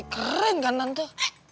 keren kan nanti